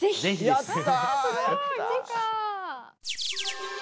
やった！